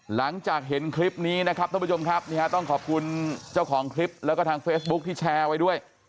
หลังจากเห็นคลิปนี้นะครับท่านผู้ชมครับต้องขอบคุณเจ้าของคลิปแล้วก็ทางเฟซบุ๊คที่แชร์ไว้ด้วย